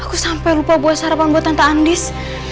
aku sampai lupa buah sarapan buat tante andis